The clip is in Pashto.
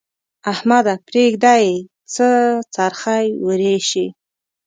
احمده! پرېږده يې؛ څه څرخی ورېشې.